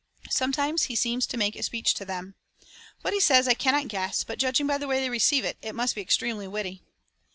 Sometimes he seems to make a speech to them. What he says I cannot guess, but judging by the way they receive it, it must be extremely witty.